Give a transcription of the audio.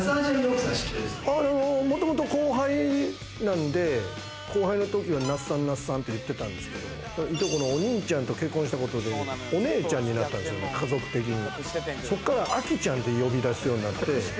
もともと後輩なんで、後輩のときは那須さんって言ってたんですけれども、いとこのお兄ちゃんと結婚したことで、お姉ちゃんになったんです、家族的に。